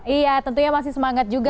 iya tentunya masih semangat juga